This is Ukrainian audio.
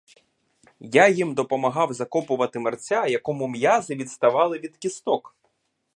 Я їм допомагав закопувати мерця, якому м'язи відставали від кісток.